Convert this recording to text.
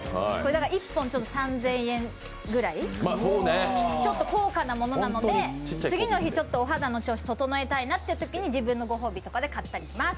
１本３０００円ぐらい、ちょっと高価なものなので、次の日ちょっとお肌の調子整えたいなというときに自分のご褒美とかで買ったりします。